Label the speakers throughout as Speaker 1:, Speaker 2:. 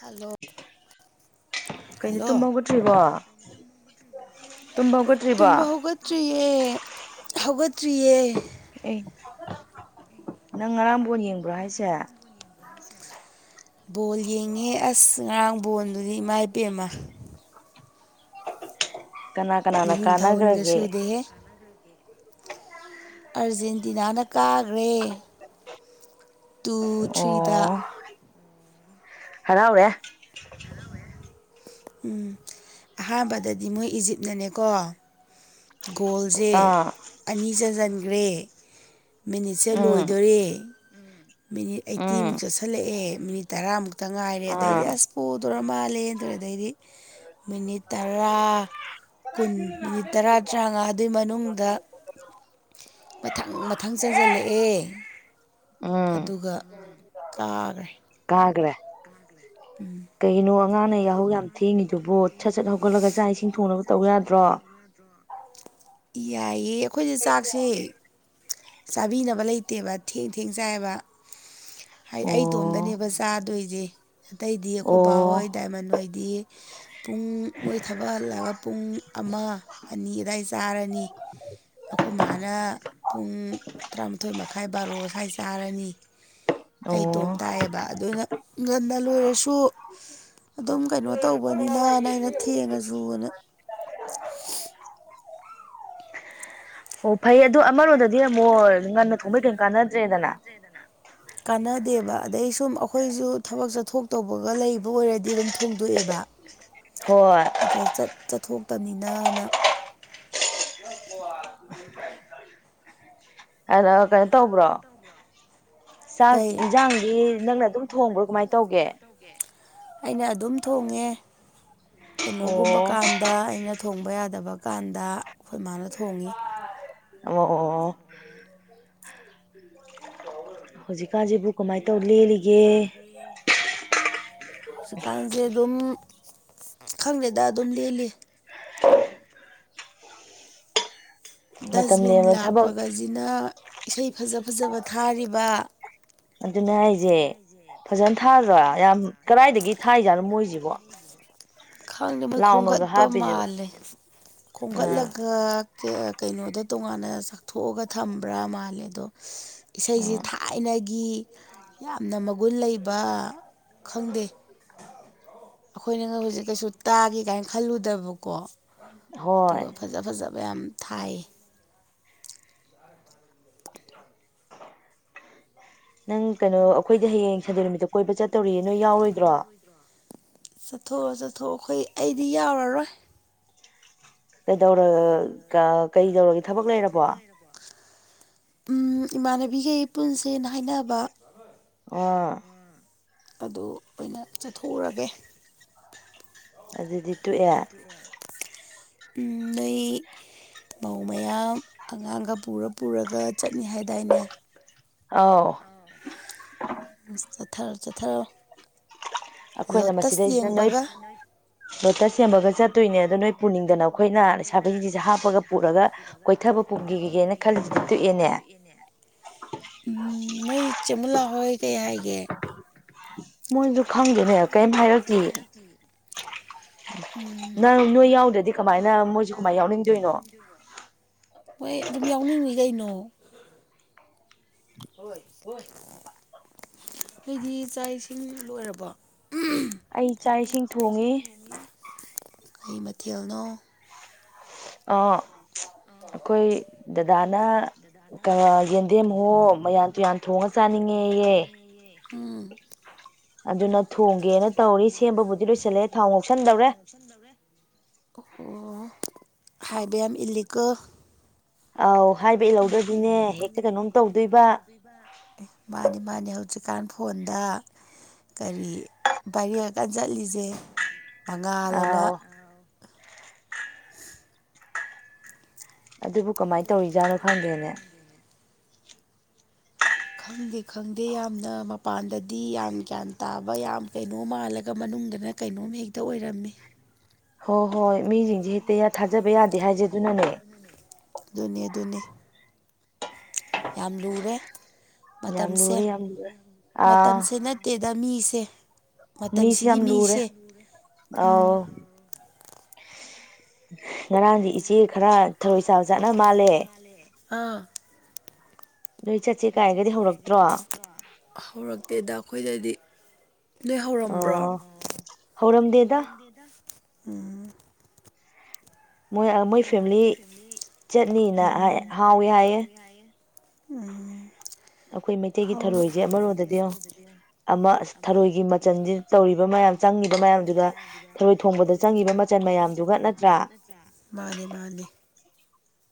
Speaker 1: Hello
Speaker 2: ꯀꯩꯅꯩꯅ
Speaker 1: hello
Speaker 2: ꯇꯨꯃ ꯭ ꯋꯥꯣ ꯇ
Speaker 1: ꯇꯨꯝꯕ ꯍꯧꯒꯠꯇ꯭ꯔꯤꯌꯦ ꯍꯧꯒꯠꯇ꯭ꯔꯤꯌꯦ
Speaker 2: ꯑꯦ ꯅꯪ ꯉꯔꯥꯝꯕꯣꯟ ꯌꯦꯡꯕ꯭ꯔꯣ ꯍꯥꯏꯁꯦ
Speaker 1: ꯕꯣꯜ ꯌꯦꯡꯉꯦ ꯑꯁ ꯉꯔꯥꯡ ꯕꯣꯜꯗꯨꯗꯤ ꯏꯃꯥ ꯏꯄꯦꯟ ꯑꯃ
Speaker 2: ꯀꯅꯥ ꯀꯅꯥꯅ
Speaker 1: ꯃꯤꯍꯨꯟ ꯊꯥꯍꯨꯟꯒ
Speaker 2: ꯀꯥꯟꯅꯈ꯭ꯔꯒꯦ
Speaker 1: ꯁꯨꯗꯦꯍꯦ ꯑꯥꯔꯖꯦꯟꯇꯤꯅꯥꯅ ꯀꯥꯈ꯭ꯔꯦ ꯇꯨ ꯊ꯭ꯔꯤꯗ
Speaker 2: ꯑꯣ ꯍꯔ ꯍꯧꯦ
Speaker 1: ꯑꯍꯥꯟꯕꯗꯗꯤ ꯃꯣꯏ ꯏꯖꯤꯞꯅꯅꯦꯀꯣ ꯒꯣꯜꯁꯦ
Speaker 2: ꯑꯥ
Speaker 1: ꯑꯅꯤ ꯆꯟꯁꯤꯟꯈ꯭ꯔꯦ ꯃꯤꯅꯤꯠꯁꯦ
Speaker 2: ꯎꯝ
Speaker 1: ꯂꯣꯏꯗꯣꯔꯦ ꯃꯤꯅꯤꯠ
Speaker 2: ꯎꯝ
Speaker 1: ꯑꯩꯠꯇꯤꯃꯨꯛ ꯆꯠꯁꯤꯜꯂꯛꯑꯦ ꯃꯤꯅꯤꯠ ꯇꯔꯥꯃꯨꯛꯇ ꯉꯥꯏꯔꯦ ꯑꯗꯩꯗꯤ
Speaker 2: ꯑꯥ
Speaker 1: ꯑꯁ ꯄꯨꯗꯔ ꯃꯥꯜꯂꯦ ꯇꯔꯦ ꯑꯗꯩꯗꯤ ꯃꯤꯅꯤꯠ ꯇꯔꯥ ꯀꯨꯟ ꯃꯤꯅꯤꯠ ꯇꯔꯥ ꯇꯔꯥꯉꯥ ꯑꯗꯨꯏ ꯃꯅꯨꯡꯗ ꯃꯊꯪ ꯃꯊꯪ ꯆꯟꯁꯤꯜꯂꯛꯑꯦ
Speaker 2: ꯎꯝ
Speaker 1: ꯑꯗꯨꯒ ꯀꯥꯈ꯭ꯔꯦ
Speaker 2: ꯀꯥꯒ꯭ꯔꯦ
Speaker 1: ꯎꯝ
Speaker 2: ꯀꯩꯒꯤꯅꯣ ꯑꯉꯥꯡꯅ ꯌꯥꯍꯧ ꯌꯥꯝ ꯊꯦꯡꯉꯤꯗꯨꯕꯣ ꯁꯠ ꯁꯠ ꯍꯧꯒꯠꯂꯒ ꯆꯥꯛ ꯏꯁꯤꯡ ꯊꯣꯡꯅꯕ ꯇꯧ ꯌꯥꯗ꯭ꯔꯣ
Speaker 1: ꯌꯥꯏꯌꯦꯦ ꯑꯩꯈꯣꯏꯁꯦ ꯆꯥꯛꯁꯦ ꯆꯥꯕꯤꯅꯕ ꯂꯩꯇꯦꯕ ꯊꯦꯡ ꯊꯦꯡ ꯆꯥꯏꯑꯕ
Speaker 2: ꯑꯣ
Speaker 1: ꯑꯩ ꯏꯇꯣꯝꯗꯅꯦꯕ ꯆꯥꯗꯣꯏꯁꯦ ꯑꯇꯩꯗꯤ ꯑꯩꯈꯣꯏꯕꯥ
Speaker 2: ꯑꯣ
Speaker 1: ꯍꯣꯏ ꯗꯥꯏꯃꯟ ꯑꯣꯏꯣꯏꯗꯤ ꯄꯨꯡ ꯃꯣꯏ ꯊꯕꯛꯍꯜꯂꯒ ꯄꯨꯡ ꯑꯃ ꯑꯅꯤ ꯑꯗꯨꯋꯥꯏ ꯆꯥꯔꯅꯤ ꯑꯩꯈꯣꯏ ꯃꯥꯅ ꯄꯨꯡ ꯇꯔꯥꯃꯥꯊꯣꯏ ꯃꯈꯥꯏ ꯕꯥꯔꯣ ꯁ꯭ꯋꯥꯏ ꯆꯥꯔꯅꯤ
Speaker 2: ꯑꯣ
Speaker 1: ꯑꯩꯇꯣꯝ ꯇꯥꯏꯌꯦꯕ ꯑꯗꯨꯅ ꯉꯟꯅ ꯂꯣꯏꯔꯁꯨ ꯑꯗꯨꯝ ꯀꯩꯅꯣ ꯇꯧꯕꯅꯤꯅꯅ ꯑꯩꯅ ꯊꯦꯡꯉꯁꯨꯅ
Speaker 2: ꯑꯣ ꯐꯩ ꯑꯗꯨꯗꯣ ꯑꯃꯔꯣꯝꯗꯗꯤ ꯑꯃꯨꯛꯣ ꯉꯟꯅ ꯊꯣꯡꯕꯩ ꯀꯩ ꯀꯥꯟꯅꯗ꯭ꯔꯦꯗꯅ
Speaker 1: ꯆꯩꯗꯅ ꯀꯥꯟꯅꯗꯦꯕ ꯑꯗꯩ ꯁꯨꯝ ꯑꯩꯈꯣꯏꯁꯨ ꯊꯕꯛ ꯆꯠꯊꯣꯛ ꯇꯧꯕꯒ ꯂꯩꯕ ꯑꯣꯏꯔꯗꯤ ꯑꯗꯨꯝ ꯊꯣꯡꯗꯣꯛꯑꯦꯕ
Speaker 2: ꯍꯣꯏ
Speaker 1: ꯑꯗ ꯆꯠꯊꯣꯛꯇꯕꯅꯤꯅꯅ
Speaker 2: [inaudible] ꯑꯅ ꯀꯩꯅꯣ ꯇꯧꯕ꯭ꯔꯣ ꯆꯥꯛ
Speaker 1: ꯀꯩ
Speaker 2: ꯌꯦꯟꯁꯥꯡꯗꯤ ꯅꯪꯅ ꯑꯗꯨꯝ ꯊꯣꯡꯕ꯭ꯔꯣ ꯀꯃꯥꯏꯅ ꯇꯧꯒꯦ
Speaker 1: ꯑꯩꯅ ꯑꯗꯨꯝ ꯊꯣꯡꯉꯦ ꯀꯩꯅꯣꯒꯨꯝꯕ
Speaker 2: ꯑꯣ
Speaker 1: ꯀꯥꯟ ꯗ ꯑꯩꯅ ꯊꯣꯡꯕ ꯌꯥꯗꯕ ꯀꯥꯟꯗ ꯑꯩꯈꯣꯏ ꯃꯥꯅ ꯊꯣꯡꯉꯤ
Speaker 2: ꯑꯣ ꯑꯣ ꯑꯣ ꯍꯧꯖꯤꯛꯀꯥꯟꯁꯤꯕꯨ ꯀꯃꯥꯏꯅ ꯇꯧ ꯂꯦꯜꯂꯤꯒꯦ
Speaker 1: ꯍꯧꯖꯤꯛꯀꯥꯟꯁꯦ ꯑꯗꯨꯝ ꯈꯪꯗꯦꯗ ꯑꯗꯨꯝ ꯂꯦꯜꯂꯤ
Speaker 2: ꯃꯇꯝ
Speaker 1: ꯗꯁꯕꯤꯟ
Speaker 2: ꯂꯦꯟꯕ ꯊꯕꯛ
Speaker 1: ꯂꯥꯛꯄꯒꯁꯤꯅ ꯏꯁꯩ ꯐꯖ ꯐꯖꯕ ꯊꯥꯔꯤꯕ
Speaker 2: ꯑꯗꯨꯅ ꯍꯥꯏꯁꯦ ꯐꯖꯅ ꯊꯥꯗ꯭ꯔꯥ ꯌꯥꯝ ꯀꯗꯥꯥꯏꯗꯒꯤ ꯊꯥꯏꯖꯥꯠꯔꯝ ꯃꯣꯣꯏꯁꯤꯕꯣ
Speaker 1: ꯈꯥꯡꯪꯅꯤꯡꯕ ꯈꯣꯝꯒꯠꯄ
Speaker 2: ꯍꯥꯞꯄꯤꯁꯤꯕꯣ
Speaker 1: ꯃꯥꯜꯂꯦ
Speaker 2: ꯎꯝ
Speaker 1: ꯈꯣꯝꯒꯠꯂꯒ ꯀꯩꯅꯣꯗ ꯇꯣꯉꯥꯟꯅ ꯆꯥꯛꯊꯣꯛꯑꯒ ꯊꯝꯕ꯭ꯔꯥ ꯃꯥꯜꯂꯦ ꯑꯗꯣ ꯏꯁꯩꯁꯤ
Speaker 2: ꯎꯝ
Speaker 1: ꯊꯥꯏꯅꯒꯤ ꯌꯥꯝꯅ ꯃꯒꯨꯟ ꯂꯩꯕ ꯈꯪꯗꯦ ꯑꯩꯈꯣꯏꯅ ꯍꯧꯖꯤꯛ ꯀꯩꯁꯨ ꯇꯥꯒꯦ ꯀꯥꯏꯅ ꯈꯜꯂꯨꯗꯕꯀꯣ
Speaker 2: ꯍꯣꯏ
Speaker 1: ꯑꯗꯨꯒ ꯐꯖ ꯐꯖꯕ ꯌꯥꯝ ꯊꯥꯏ
Speaker 2: [inaudible] ꯅꯪ ꯀꯩꯅꯣ ꯑꯩꯈꯣꯏꯗꯤ ꯍꯌꯦꯡ ꯁꯟꯗꯦ ꯅꯨꯃꯤꯠꯇ ꯀꯣꯏꯕ ꯆꯠꯇꯧꯔꯤꯌꯦ ꯅꯣꯏ ꯌꯥꯎꯔꯣꯏꯗ꯭ꯔꯣ
Speaker 1: ꯆꯠꯊꯣꯛꯑꯣ ꯆꯠꯊꯣꯛꯑꯣ ꯑꯩꯈꯣꯏ ꯑꯩꯗꯤ ꯌꯥꯎꯔꯔꯣꯏ
Speaker 2: ꯀꯩꯗꯔ ꯀꯩꯗꯧꯔꯒꯦ ꯊꯕꯛ ꯂꯩꯔꯕꯣ
Speaker 1: ꯎꯝ ꯏꯃꯥꯟꯅꯕꯤꯈꯩ ꯄꯨꯟꯁꯦꯅ ꯍꯥꯏꯅꯕ
Speaker 2: ꯑꯣ
Speaker 1: ꯑꯗꯨ ꯑꯣꯏꯅ ꯆꯠꯊꯣꯛꯎꯔꯒꯦ
Speaker 2: ꯑꯗꯨꯗꯤ ꯇꯣꯛꯑꯦ
Speaker 1: ꯅ ꯃꯧ ꯃꯌꯥꯝ ꯑꯉꯥꯡꯒ ꯄꯨꯔ ꯄꯨꯔꯒ ꯆꯠꯅꯤ ꯍꯥꯏꯗꯥꯏꯅꯦ
Speaker 2: ꯑꯥꯎ
Speaker 1: ꯑ ꯆꯠꯊꯔꯣ ꯆꯠꯊꯔꯣ
Speaker 2: ꯑꯩꯈꯣꯏꯅ
Speaker 1: ꯂꯣꯇꯁ
Speaker 2: ꯃꯁꯤꯗꯩꯁꯤꯗ ꯅꯣꯏ
Speaker 1: ꯌꯦꯡꯕꯒ
Speaker 2: ꯂꯣꯇ ꯁꯦꯝꯃꯒ ꯆꯠꯇꯣꯏꯅꯦ ꯑꯗꯣ ꯅꯣꯏ ꯄꯨꯅꯤꯡꯗꯅ ꯑꯩꯈꯣꯏꯅ ꯂꯩꯁꯥ ꯐꯁꯤꯡꯁꯤꯁꯦ ꯍꯥꯞꯄꯒ ꯄꯨꯔꯒ
Speaker 1: ꯑꯗꯨꯒ ꯀꯣꯏꯊꯕ ꯐꯨꯝꯈꯤꯈꯤꯒꯦꯅ ꯈꯜꯂꯤꯁꯤꯗꯤ ꯇꯣꯛꯑꯦꯅꯦ ꯎꯝ ꯃꯣꯏ ꯆꯦꯃꯨꯂꯥ ꯍꯣꯏ ꯀꯩ ꯍꯥꯏꯒꯦ
Speaker 2: ꯃꯣꯏꯁꯨ ꯈꯪꯗꯦꯅꯦꯕ ꯀꯔꯤꯝ ꯍꯥꯏꯔꯗꯤ
Speaker 1: ꯎꯝ ꯅꯪ ꯅꯣꯏ ꯌꯥꯎꯗ꯭ꯔꯗꯤ ꯀꯃꯥꯏꯅ ꯃꯣꯏꯁꯨ ꯀꯃꯥꯏ ꯌꯥꯎꯅꯤꯡꯗꯣꯏꯅꯣ ꯍꯣꯏ ꯑꯗꯨꯝ ꯌꯥꯎꯅꯤꯡꯉꯤ ꯀꯩꯅꯣ
Speaker 2: ꯍꯣꯏ ꯍꯣꯏ꯫
Speaker 1: ꯅꯣꯏꯗꯤ ꯆꯥꯛ ꯏꯁꯤꯡ ꯂꯣꯏꯔꯕ꯫
Speaker 2: ꯑꯩ ꯆꯥꯛ ꯏꯁꯤꯡ ꯊꯣꯡꯉꯤ꯫
Speaker 1: ꯀꯩ ꯃꯊꯦꯜꯅꯣ꯫
Speaker 2: ꯑ꯫
Speaker 1: ꯑ꯫
Speaker 2: ꯑꯩꯈꯣꯏ ꯗꯗꯥꯅ ꯀꯌ ꯌꯦꯟꯗꯦꯝ ꯋꯣ ꯃꯌꯥꯟ ꯇꯨꯌꯥꯟ꯫ ꯊꯣꯡꯉ ꯆꯥꯅꯤꯡꯉꯦꯌꯦ꯫
Speaker 1: ꯎꯝ
Speaker 2: ꯑꯗꯨꯅ ꯊꯣꯡꯒꯦꯅ ꯇꯧꯔꯤ ꯁꯦꯝꯕꯕꯨꯗꯤ ꯂꯣꯏꯁꯤꯜꯂꯦ ꯊꯥꯎ ꯉꯧꯁꯟꯗꯧꯔꯦ
Speaker 1: ꯑꯣ ꯍꯥꯏꯕ ꯌꯥꯝ ꯏꯂꯤꯒꯜ
Speaker 2: ꯑꯥꯎ ꯍꯥꯏꯕ ꯏꯜꯍꯧꯗꯗꯤꯅꯦ ꯍꯦꯛꯇ ꯀꯩꯅꯣꯝ ꯇꯧꯗꯣꯏꯕ
Speaker 1: ꯃꯥꯅꯤ ꯃꯥꯅꯤ ꯍꯧꯖꯤꯛꯀꯥꯟ ꯐꯣꯟꯗ ꯀꯔꯤ ꯄꯥꯏꯔꯦꯡꯑꯀꯥꯟ ꯆꯠꯂꯤꯁꯦ ꯃꯉꯥꯜ ꯑꯅ
Speaker 2: ꯑꯥꯎ ꯑꯗꯨꯕꯨ ꯀꯃꯥꯏꯅ ꯇꯧꯔꯤꯖꯥꯠꯅꯣ ꯈꯪꯗꯦꯅꯦ
Speaker 1: ꯈꯪꯗꯦ ꯈꯪꯗꯦ ꯌꯥꯝꯅ ꯃꯄꯥꯟꯗꯗꯤ ꯌꯥꯝ ꯒ꯭ꯌꯥꯟ ꯇꯥꯕ ꯌꯥꯝ ꯀꯩꯅꯣ ꯃꯥꯜꯂꯒ ꯃꯅꯨꯡꯗꯅ ꯀꯩꯅꯣꯝ ꯍꯦꯛꯇ ꯑꯣꯏꯔꯝꯃꯤ
Speaker 2: ꯍꯣꯏ ꯍꯣꯏ ꯃꯤꯁꯤꯡꯁꯦ ꯍꯦꯛꯇ ꯊꯥꯖꯕ ꯌꯥꯗꯦ ꯍꯥꯏꯖꯩ ꯑꯗꯨꯅꯅꯦ꯫
Speaker 1: ꯑꯗꯨꯅꯦ ꯑꯗꯨꯅꯦ꯫ ꯌꯥꯝ ꯂꯨꯔꯦ
Speaker 2: ꯌꯥꯝ
Speaker 1: ꯃꯇꯝꯁꯦ
Speaker 2: ꯂꯨꯔꯦ ꯌꯥꯝ ꯂꯨꯔꯦ ꯑꯥ
Speaker 1: ꯃꯇꯝꯁꯤꯅ꯫ ꯇꯦꯗ ꯃꯤꯁꯦ
Speaker 2: ꯃꯤꯁꯦ
Speaker 1: ꯃꯇꯝꯁꯤꯒꯤ
Speaker 2: ꯌꯥꯝ ꯂꯨꯔꯦ
Speaker 1: ꯃꯤꯁꯦ ꯎꯝ꯫
Speaker 2: ꯑꯧ
Speaker 1: ꯉꯔꯥꯡꯗꯤ ꯏꯆꯦ ꯈꯔ ꯊꯨꯝꯆꯥꯕ ꯆꯠꯅ ꯃꯥꯜꯂꯦ ꯑ꯫
Speaker 2: ꯅꯣꯏ ꯆꯠꯁꯦ ꯀꯥꯏꯒꯗꯤ ꯍꯧꯔꯛꯇ꯭ꯔꯣ꯫
Speaker 1: ꯍꯧꯔꯛꯇꯦꯗ ꯑꯩꯈꯣꯏꯗꯗꯤ꯫ ꯅꯣꯏ ꯍꯧꯔꯝꯕ꯭ꯔꯣ ꯑ
Speaker 2: ꯑꯣ
Speaker 1: ꯍꯧꯔꯝꯗꯦꯗ ꯎꯝ꯫
Speaker 2: ꯃꯣꯏ ꯃꯣꯏ ꯐꯦꯃꯤꯂꯤ ꯆꯠꯅꯤꯅ ꯍꯥꯏ ꯍꯥꯎꯋꯦ ꯍꯥꯏꯌꯦ꯫
Speaker 1: ꯎꯝ꯫
Speaker 2: ꯑꯩꯈꯣꯏ ꯃꯩꯇꯩꯒꯤ
Speaker 1: ꯍꯥꯎꯔ
Speaker 2: ꯊꯔꯣꯏꯖꯦ ꯑꯃꯔꯣꯝꯗꯗꯤ ꯌꯦꯡꯉꯣ꯫ ꯑꯃ ꯑ ꯊꯔꯣꯏꯒꯤ ꯃꯆꯜꯁꯤ ꯇꯧꯔꯤꯕ ꯃꯌꯥꯝ ꯆꯪꯉꯤꯕ ꯃꯌꯥꯝꯗꯨꯒ ꯊꯔꯣꯏ ꯊꯣꯡꯕꯗ꯫
Speaker 1: ꯊꯣꯡꯕꯗ ꯆꯪꯉꯤꯕ ꯃꯆꯜ ꯃꯌꯥꯝꯗꯨꯒ ꯅꯠꯇ꯭ꯔꯥ ꯃꯥꯅꯤ ꯃꯥꯅꯤ꯫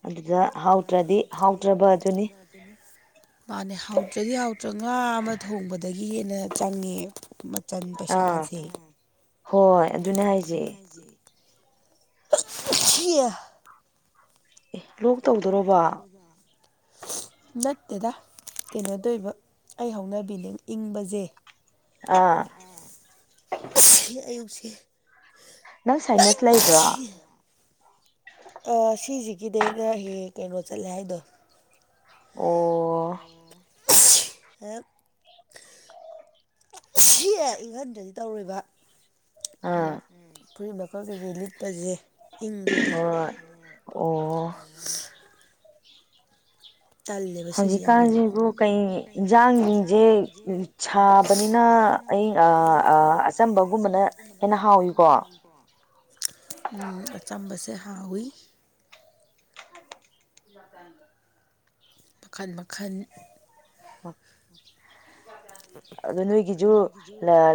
Speaker 2: ꯑꯗꯨꯗ ꯍꯥꯎꯗꯇ꯭ꯔꯗꯤ ꯍꯥꯎꯇ꯭ꯔꯕꯗꯨꯅꯤ꯫
Speaker 1: 'unintelligible' ꯃꯥꯅꯦ ꯍꯥꯎꯇ꯭ꯔꯗꯤ ꯍꯥꯎꯇ꯭ꯔ ꯉꯥ ꯑꯃ ꯊꯣꯡꯕꯗꯒꯤ ꯍꯦꯟꯅ ꯆꯪꯉꯦ꯫ ꯆꯟ
Speaker 2: ꯑꯥ
Speaker 1: ꯄꯩꯁꯥꯁꯦ꯫
Speaker 2: ꯍꯣꯏ ꯑꯗꯨꯅꯦ ꯍꯥꯏꯁꯦ꯫
Speaker 1: ꯖꯤ꯫ ꯁꯤ꯫
Speaker 2: ꯑꯦ ꯂꯣꯛ ꯇꯧꯗꯣꯔꯕꯣ꯫
Speaker 1: ꯅꯠꯇꯦꯗ ꯀꯩꯅꯣ ꯇꯧꯏꯕ꯫ ꯑꯩ ꯍꯧꯅꯕꯤꯅꯦ ꯏꯪꯕꯖꯦ꯫
Speaker 2: ꯑꯥ꯫
Speaker 1: ꯁꯤ ꯑꯌꯨꯛꯁꯦ꯫
Speaker 2: ꯅꯪ ꯁꯥꯏꯅꯁ ꯂꯩꯕ꯭ꯔꯣ꯫
Speaker 1: 'unintelligible' ꯑ ꯁꯤꯁꯤꯒꯤꯗꯤ ꯑꯩꯅ ꯍꯦꯛ ꯍꯦꯛ ꯀꯩꯅꯣ ꯆꯠꯂꯦ ꯍꯥꯏꯗꯣ꯫
Speaker 2: ꯑꯣ꯫
Speaker 1: ꯑꯦꯛ꯫ ꯁꯤ ꯏꯪꯍꯟꯗ꯭ꯔꯗꯤ ꯇꯧꯔꯣꯏꯕ ꯑꯩꯅ
Speaker 2: ꯑꯥ
Speaker 1: ꯎꯝ꯫ ꯐꯨꯔꯤꯠ ꯃꯀꯛ ꯀꯩꯀꯩ ꯂꯤꯠꯄꯁꯦ꯫ ꯏꯪꯕꯒꯤ
Speaker 2: ꯍꯣꯏ ꯑꯣ꯫
Speaker 1: ꯇꯜꯂꯦꯕ ꯁꯤꯁꯦ ꯌꯥꯝꯅ
Speaker 2: ꯍꯧꯖꯤꯛꯀꯥꯟꯁꯤꯕꯨ ꯀꯩ ꯏꯟꯁꯥꯡꯁꯤꯡꯁꯦ ꯁꯥꯕꯅꯤꯅ ꯑꯩ ꯑꯆꯝꯕꯒꯨꯝꯕꯅ ꯍꯦꯟꯅ ꯍꯥꯎꯋꯀꯣ
Speaker 1: ꯑꯆꯝꯕꯁꯦ ꯍꯥꯎꯋꯏ
Speaker 2: [inaudible]
Speaker 1: ꯃꯈꯟ ꯃꯈꯜ
Speaker 2: ꯎꯝ ꯑꯗꯣ ꯅꯣꯏꯒꯤꯖ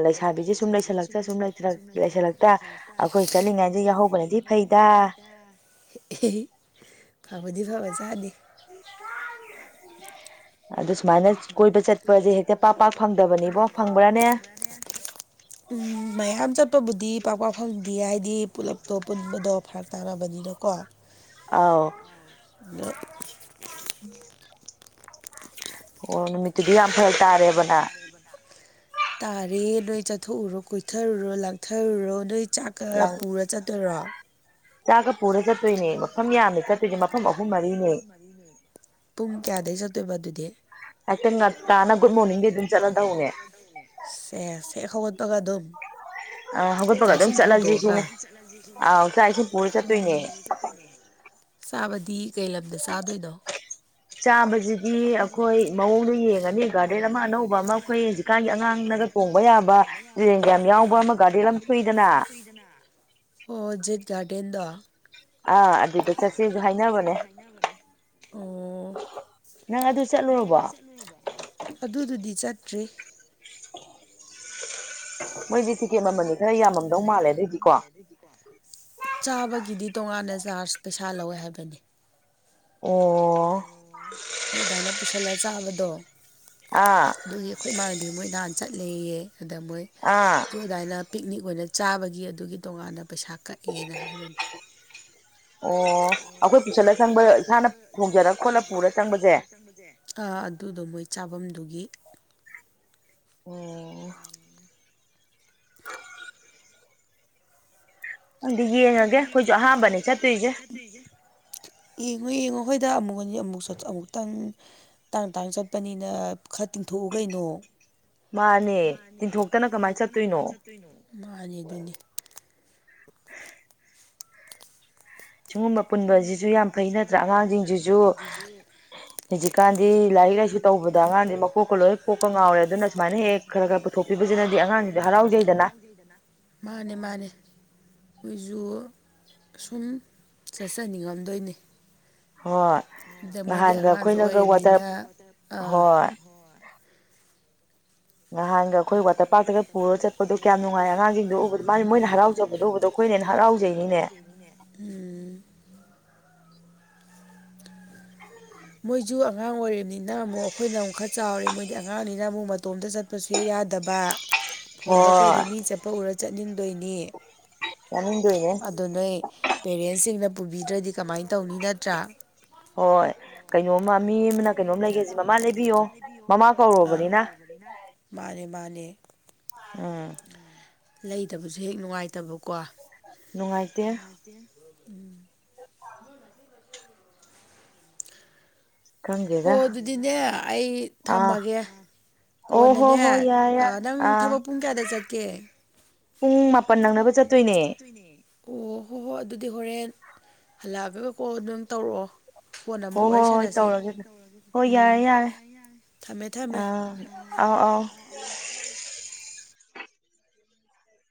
Speaker 2: ꯂꯩꯁꯥꯕꯤꯁꯦ ꯁꯨꯝ ꯂꯩꯁꯜꯂꯛꯇ ꯁꯨꯝ ꯂꯩꯜꯂ
Speaker 1: ꯂꯩꯁꯤꯜꯂꯛꯇ ꯑꯩꯈꯣꯏ ꯆꯠꯂꯤꯉꯥꯏꯁ ꯌꯥꯎꯍꯧꯕ꯭ꯔꯗꯤ ꯐꯩꯗ ꯐꯕꯗꯤ ꯐꯕ ꯆꯥꯅꯤꯦ
Speaker 2: ꯑꯗꯨ ꯁꯃꯥꯏꯅ꯫
Speaker 1: ꯑꯗꯨ ꯁꯨꯃꯥꯏꯅ ꯀꯣꯏꯕ ꯆꯠꯄꯁꯦ ꯍꯦꯛꯇ ꯄꯥꯛ ꯄꯥꯛ ꯐꯪꯗꯕꯅꯤꯕꯣ ꯐꯪꯕ꯭ꯔꯥꯅꯦ꯫ ꯎꯝ ꯃꯌꯥꯝ ꯆꯠꯄꯕꯨꯗꯤ ꯄꯥꯛ ꯄꯥꯛ ꯐꯪꯗꯦ ꯍꯥꯏꯗꯤ ꯄꯨꯂꯞꯇꯣ ꯄꯨꯟꯕꯗꯣ꯫ ꯐꯔꯛ ꯇꯥꯅꯕꯗꯨꯗꯀꯣ꯫
Speaker 2: ꯑꯥꯎ꯫ ꯑꯣ ꯅꯨꯃꯤꯠꯇꯨꯗꯤ ꯌꯥꯝ ꯐꯔꯛ ꯇꯥꯔꯦꯕ ꯅꯪ꯫
Speaker 1: ꯂꯩꯕꯨꯅ꯫ ꯇꯥꯔꯦ ꯅꯣꯏ ꯆꯠꯊꯣꯛꯎꯔꯣ ꯀꯣꯏꯊꯔꯨꯔꯣ ꯂꯥꯡꯊꯔꯨꯔꯣ ꯅꯣꯏ ꯆꯥꯛꯀ ꯄꯨꯔ꯫ ꯆꯠꯇꯨꯔꯣ꯫
Speaker 2: ꯆꯥꯒ
Speaker 1: ꯆꯥꯛꯒ ꯄꯨꯔ ꯆꯠꯇꯣꯏꯅꯦ ꯃꯐꯝ ꯌꯥꯝꯅꯤ
Speaker 2: ꯑꯍꯨꯝ
Speaker 1: ꯆꯠꯇꯣꯏꯅꯦ ꯃꯐꯝ
Speaker 2: ꯃꯔꯤꯅꯦ
Speaker 1: ꯑꯍꯨꯝ ꯃꯔꯤꯅꯦ ꯄꯨꯡ ꯀꯌꯥꯗꯩ ꯆꯠꯇꯣꯏꯕ ꯑꯗꯨꯗꯤ
Speaker 2: ꯑꯦ ꯇꯪ ꯉ ꯇ ꯅꯒꯨꯗ ꯃꯣꯔꯅꯤꯡꯦ ꯑꯗꯨꯅ ꯆꯠꯗꯅꯦ
Speaker 1: ꯁꯦ ꯁꯦ ꯍꯧꯒꯠ ꯇꯒ ꯑꯗꯨꯝ
Speaker 2: ꯑ ꯍꯧꯒꯠꯄꯒ
Speaker 1: ꯆꯥꯛ
Speaker 2: ꯑꯗꯨꯝ
Speaker 1: ꯏꯁꯤꯡ
Speaker 2: ꯆꯠꯂꯁꯤ
Speaker 1: ꯊꯣꯡꯗꯣꯛꯑꯒ
Speaker 2: ꯁꯤꯅꯦ ꯑ ꯆꯥꯛꯁꯤ
Speaker 1: ꯆꯥꯕꯗꯤ ꯀꯩ ꯂꯝꯗ ꯆꯥꯗꯣꯏꯅꯣ
Speaker 2: ꯆꯥꯕꯁꯤꯗꯤ ꯑꯩꯈꯣꯏ ꯃꯑꯣꯡꯗ ꯌꯦꯡꯉꯅꯤ ꯒꯥꯔꯗꯦꯟ ꯑꯃ ꯑꯅꯧꯕ ꯑꯃ ꯑꯩꯈꯣꯏ
Speaker 1: ꯑꯃ
Speaker 2: ꯍꯧꯖꯤꯛꯀꯥꯟꯒꯤ
Speaker 1: ꯑꯩꯈꯨꯏ
Speaker 2: ꯑꯉꯥꯡꯅꯒ
Speaker 1: ꯍꯧꯖꯤꯛꯀꯥꯟꯒꯤ
Speaker 2: ꯇꯣꯡꯕ
Speaker 1: ꯑꯉꯥꯡꯅꯒ
Speaker 2: ꯌꯥꯕ
Speaker 1: ꯇꯣꯡꯕ ꯌꯥꯕ
Speaker 2: ꯇꯨꯔꯦꯟꯒ ꯌꯥꯝ ꯌꯥꯎꯕ
Speaker 1: ꯁꯦꯟ
Speaker 2: ꯑꯃ
Speaker 1: ꯌꯥꯝ
Speaker 2: ꯒꯥꯔꯗꯦꯟ
Speaker 1: ꯌꯥꯎꯕ
Speaker 2: ꯑꯃ
Speaker 1: ꯑꯃꯒꯗꯤ
Speaker 2: ꯊꯣꯛꯏꯗꯅ
Speaker 1: ꯂꯝ ꯁꯨꯏꯗꯅ ꯑꯣ ꯖꯤꯠ ꯒꯥꯔꯗꯦꯟꯗꯣ
Speaker 2: ꯑꯥ ꯑꯗꯨꯗ ꯆꯠꯁꯦꯁꯨ ꯍꯥꯏꯅꯕꯅꯦ
Speaker 1: ꯑꯣ
Speaker 2: ꯅꯪ ꯑꯗꯨ ꯆꯠꯂꯨꯔꯕꯣ
Speaker 1: ꯑꯗꯨꯗꯨꯗꯤ ꯆꯠꯇ꯭ꯔꯤ
Speaker 2: ꯃꯣꯏꯗꯤ ꯇꯤꯛꯀꯦꯠ ꯃꯃꯜꯅꯤ ꯈꯔ ꯌꯥꯝꯃꯝꯗꯧ ꯃꯥꯜꯂꯦ ꯑꯗꯨꯑꯣꯏꯗꯤꯀꯣ
Speaker 1: ꯂꯩꯗꯤ ꯀ ꯆꯥꯕꯒꯤꯗꯤ ꯇꯣꯉꯥꯟꯅ ꯆꯥꯔꯖ ꯄꯩꯁꯥ ꯂꯧꯋꯦ ꯍꯥꯏꯕꯅꯤ
Speaker 2: ꯑꯣ
Speaker 1: ꯑꯣ ꯑꯗꯨꯃꯥꯏꯅ ꯄꯨꯁꯜꯂ ꯆꯥꯕꯗꯣ
Speaker 2: ꯑꯥ
Speaker 1: ꯑꯗꯨꯒꯤ ꯑꯩꯈꯣꯏ ꯏꯃꯥꯡꯗꯤ ꯃꯣꯏ ꯅꯍꯥꯟ ꯆꯠꯂꯦꯌꯦ ꯑꯗ ꯃꯣꯏ
Speaker 2: ꯑꯥ
Speaker 1: ꯑꯗꯨꯃꯥꯏꯅ ꯄꯤꯛꯅꯤꯛ ꯑꯣꯏꯅ ꯆꯥꯕꯒꯤ ꯑꯗꯨꯒꯤ ꯇꯣꯉꯥꯟꯅ ꯄꯩꯁꯥ ꯀꯛꯑꯦꯅ ꯍꯥꯏꯕꯅꯤ
Speaker 2: ꯑꯣ ꯑꯩꯈꯣꯏ ꯄꯨꯁꯜꯂ ꯆꯪꯕ ꯏꯁꯥꯅ ꯈꯣꯡꯖꯔ ꯈꯣꯠꯂ ꯄꯨꯔ ꯆꯪꯕꯁꯦ
Speaker 1: ꯆꯪꯕꯁꯦ ꯑꯗꯨꯗꯣ ꯃꯣꯏ ꯆꯥꯐꯝꯗꯨꯒꯤ
Speaker 2: ꯑꯣ [inaudible] ꯑꯗꯨ ꯌꯦꯡꯉꯒꯦ ꯑꯩꯈꯣꯏꯁꯨ ꯑꯍꯥꯥꯟꯕꯅꯦ ꯆꯠꯇꯣꯏꯁꯦ
Speaker 1: [inaudible] ꯌꯦꯡꯉꯨ ꯌꯦꯡꯉꯣ ꯍꯣꯏꯗ ꯑꯃꯨꯛ ꯍ ꯑꯃꯨꯛꯁꯨ ꯑꯃꯨꯛꯇꯪ ꯇꯥꯡ ꯇꯥꯡ ꯆꯠꯄꯅꯤꯅ ꯈꯔ ꯇꯤꯡꯊꯣꯛꯎ ꯀꯩꯅꯣ
Speaker 2: ꯃꯥꯅꯦ ꯇꯤꯟꯊꯣꯛꯇꯅ ꯀꯃꯥꯏꯅ ꯆꯠꯇꯣꯏꯅꯣ
Speaker 1: ꯃꯥꯅꯦ ꯑꯗꯨꯅꯦ
Speaker 2: ꯁꯤꯒꯨꯝꯕ ꯄꯨꯟꯕꯁꯤꯁꯨ ꯌꯥꯝ ꯐꯩ ꯅꯠꯇ꯭ꯔꯥ ꯑꯉꯥꯡꯁꯤꯡꯁꯤꯁꯨ ꯍꯧꯖꯤ ꯀꯥꯟꯗꯤ ꯂꯥꯏꯔꯤꯛ ꯂꯥꯏꯁꯨ ꯇꯗ ꯑꯀꯥꯟꯗꯤ ꯃꯀꯣꯛꯀ ꯂꯣꯏꯅ ꯀꯣꯛꯀ ꯉꯥꯎꯔꯦ ꯑꯗꯨꯅ ꯁꯨꯃꯥꯏꯅ ꯍꯦꯛ ꯈꯔ ꯈꯔ
Speaker 1: ꯈꯔ ꯈꯔ
Speaker 2: ꯄꯨꯊꯣꯛꯄꯤꯕꯁꯤꯅꯗꯤ ꯑꯉꯥꯡꯁꯤꯡꯗ
Speaker 1: ꯄꯨꯊꯣꯛꯄꯤꯁꯤꯅꯗꯤ ꯑꯉꯥꯡꯁ
Speaker 2: ꯍꯔꯥꯎꯖꯩꯗꯅ
Speaker 1: ꯍꯔꯥꯎꯗꯩꯗꯅ ꯃꯥꯅꯦ ꯃꯥꯅꯦ ꯃꯣꯏꯁꯨ ꯁꯨꯝ ꯆꯠꯆꯅꯤꯡꯉꯝꯗꯣꯏꯅꯦ
Speaker 2: ꯍꯣꯏ
Speaker 1: ꯑꯗ ꯃꯣꯏꯗꯤ
Speaker 2: ꯅꯍꯥꯟꯒ
Speaker 1: ꯑꯉꯥꯡꯁꯨ
Speaker 2: ꯑꯩꯈꯣꯏꯅꯒ ꯋꯥꯇꯔ
Speaker 1: ꯑꯣꯏꯝꯅꯤꯅ
Speaker 2: ꯍꯣꯏ ꯅꯍꯥꯟꯒ ꯑꯩꯈꯣꯏ ꯋꯥꯇꯔ ꯄꯥꯔꯛꯇꯒ ꯄꯨꯔꯒ ꯆꯠꯄꯗꯣ ꯀꯌꯥꯝ ꯅꯨꯡꯉꯥꯏ ꯑꯉꯥꯡꯁꯤꯡꯗꯣ ꯎꯕꯗꯨ ꯃꯥꯒꯤ ꯃꯣꯏꯅ ꯍꯔꯥꯎꯖꯕ
Speaker 1: ꯩꯅ ꯍꯔꯥꯎꯖꯕꯗꯨ ꯎꯧꯕꯗꯣ ꯑꯩꯈꯣꯏꯅ ꯌꯥꯝ ꯍꯔꯥꯎꯖꯩꯅꯤꯅꯦ ꯎꯝ ꯃꯣꯏꯁꯨ ꯑꯉꯥꯡ ꯑꯣꯏꯝꯅꯤꯅ ꯑꯃꯨꯛ ꯑꯩꯈꯣꯏꯅ ꯑꯃꯨꯛ ꯈꯔ ꯆꯥꯎꯔꯦ ꯃꯣꯏ ꯍꯥꯏꯗꯤ ꯑꯉꯥꯡꯅꯤꯅ ꯑꯃꯨꯛ ꯃꯇꯣꯝꯇ ꯆꯠꯄꯁꯨ ꯍꯦ ꯌꯥꯗꯕ ꯐꯣꯟꯗ ꯀꯩꯗ
Speaker 2: ꯍꯣꯏ
Speaker 1: ꯃꯤ ꯆꯠꯄ ꯎꯔ ꯆꯠꯅꯤꯡꯗꯣꯏꯅꯤ
Speaker 2: ꯆꯥꯅꯤꯡꯗꯣꯏꯅꯦ
Speaker 1: ꯑꯗꯨꯗ ꯅꯣꯏ ꯄꯦꯔꯦꯟꯁꯁꯤꯡꯅ ꯄꯨꯕꯤꯗ꯭ꯔꯗꯤ ꯀꯃꯥꯏꯅ ꯇꯧꯅꯤ ꯅꯠꯇ꯭ꯔꯥ
Speaker 2: ꯍꯣꯏ ꯀꯩꯅꯣꯝꯃ ꯃꯤ ꯑꯃꯅ ꯀꯩꯅꯣꯝ ꯂꯩꯒꯦꯁꯦ ꯃꯃꯥ ꯂꯩꯕꯤꯌꯣ ꯃꯃꯥ
Speaker 1: ꯑꯥ
Speaker 2: ꯀꯧꯔꯨꯕꯅꯤꯅ
Speaker 1: ꯃꯥꯅꯦ ꯃꯥꯅꯦ
Speaker 2: ꯎꯝ
Speaker 1: ꯂꯩꯇꯕꯁꯨ ꯍꯦꯛ
Speaker 2: ꯅꯨꯡꯉꯥꯏꯇꯦ
Speaker 1: ꯅꯨꯡꯉꯥꯏꯇꯕꯀꯣꯅꯨꯡꯉꯥꯏꯇꯦ ꯎꯝ ꯍꯣ
Speaker 2: ꯈꯪꯗꯦꯗ
Speaker 1: ꯑꯗꯨꯗꯤꯅꯦ ꯑꯩ
Speaker 2: ꯑꯥ
Speaker 1: ꯊꯝꯃꯒꯦ
Speaker 2: ꯑꯣ ꯍꯣ
Speaker 1: ꯀꯣꯟꯅꯅꯦ
Speaker 2: ꯍꯣꯏ ꯌꯥꯔꯦ ꯌꯥꯔꯦ
Speaker 1: ꯅꯪ
Speaker 2: ꯑꯥ
Speaker 1: ꯊꯕꯛ ꯄꯨꯡ ꯀꯌꯥꯗ ꯆꯠꯀꯦ
Speaker 2: ꯄꯨꯡ ꯃꯥꯄꯟ ꯅꯪꯅꯕ ꯆꯠꯇꯣꯏꯅꯦ
Speaker 1: ꯇꯅꯦ ꯑꯣ ꯍꯣꯏ ꯍꯣꯏ ꯑꯗꯨꯗꯤ ꯍꯣꯔꯦꯟ ꯍꯜꯂꯛꯑꯒ ꯀꯣꯜ ꯑꯗꯨꯝ ꯇꯧꯔꯛꯑꯣ ꯀꯣꯟꯅ
Speaker 2: ꯍꯣ
Speaker 1: ꯑꯃꯨꯛ
Speaker 2: ꯍꯣ
Speaker 1: ꯋꯥꯔꯤ
Speaker 2: ꯍꯣꯏ
Speaker 1: ꯁꯥꯟꯅꯁꯤ
Speaker 2: ꯇꯧꯔꯒꯦ ꯍꯣꯏ ꯌꯥꯔꯦ
Speaker 1: ꯎꯝ
Speaker 2: ꯌꯥꯔꯦ
Speaker 1: ꯊꯝꯃꯦ ꯊꯝꯃꯦ
Speaker 2: ꯑꯥ ꯑꯥꯎ ꯑꯥꯎ